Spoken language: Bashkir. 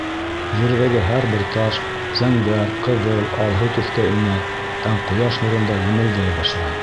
Ерҙәге һәр бер таш зәңгәр, ҡыҙыл, алһыу төҫкә инә һәм ҡояш нурында емелдәй башлай.